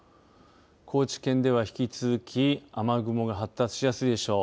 高知県では引き続き雨雲が発達しやすいでしょう。